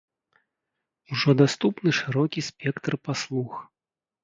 Ужо даступны шырокі спектр паслуг.